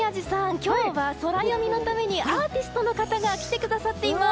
今日はソラよみのためにアーティストの方が来てくださっています。